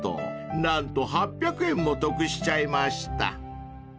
［何と８００円も得しちゃいました］